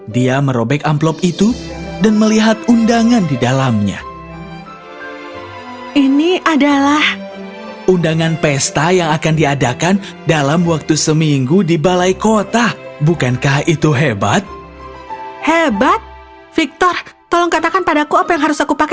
dia merobek amplop itu dan melihat undangan di dalamnya